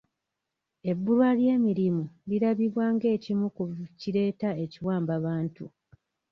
Ebbulwa ly'emirimu lirabibwa ng'ekimu ku kireeta ebiwambabantu.